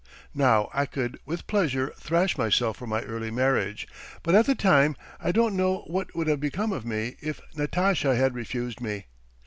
Now I could with pleasure thrash myself for my early marriage, but at the time, I don't know what would have become of me if Natasha had refused me.